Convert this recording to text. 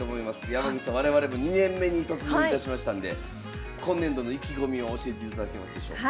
山口さん我々も２年目に突入いたしましたんで今年度の意気込みを教えていただけますでしょうか。